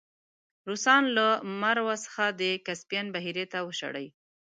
روسان له مرو څخه د کسپین بحیرې ته وشړی.